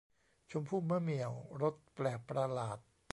ชมพู่มะเหมี่ยวรสแปลกประหลาด